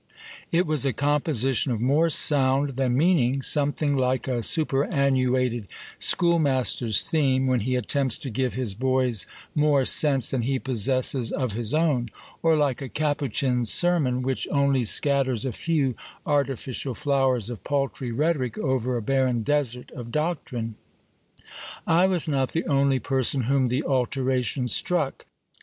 It was a composition of more sound than meaning, some thing like a superannuated schoolmasters theme, when he attempts to give his boys more sense than he possesses of his own, or like a capuchin's sermon, which only scatters a few artificial flowers of paltry rhetoric over a barren desert of doctrine. I was not the only person whom the alteration struck.